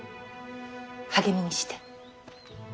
励みにして。